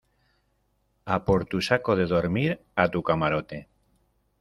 a por tu saco de dormir a tu camarote.